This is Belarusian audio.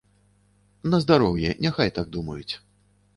На здароўе, няхай так думаюць.